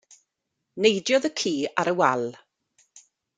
Neidiodd y ci ar y wal.